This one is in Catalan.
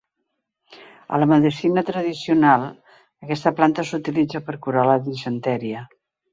A la medicina tradicional aquesta planta s'utilitza per curar la disenteria.